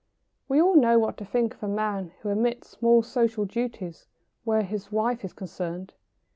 ] We all know what to think of a man who omits small social duties where his wife is concerned.